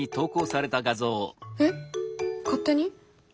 えっ勝手に？